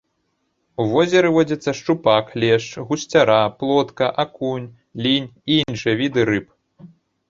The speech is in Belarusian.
У возеры водзяцца шчупак, лешч, гусцяра, плотка, акунь, лінь і іншыя віды рыб.